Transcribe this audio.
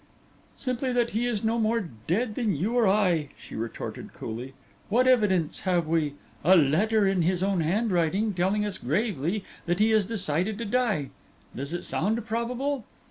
"Simply that he is no more dead than you or I," she retorted, coolly. "What evidence have we? A letter, in his own handwriting, telling us gravely that he has decided to die! Does it sound probable?